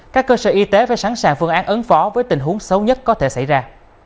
các cơ sở y tế phải sẵn sàng phương án ứng phó với tình huống xấu nhất có thể xảy ra